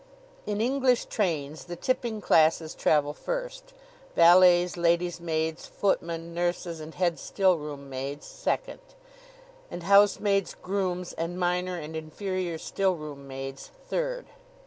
In English trains the tipping classes travel first; valets, lady's maids, footmen, nurses, and head stillroom maids, second; and housemaids, grooms, and minor and inferior stillroom maids, third.